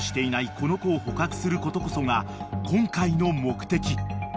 この子を捕獲することこそが今回の目的］